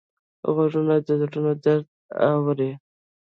غوږونه د زړونو درد اوري